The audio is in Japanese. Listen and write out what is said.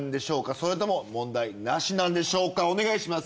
それとも問題なしなんでしょうかお願いします。